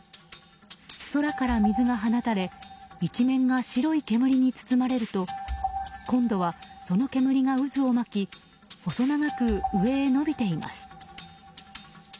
空から水が放たれ一面が白い煙に包まれると今度はその煙が渦を巻き細長く上へ伸びています。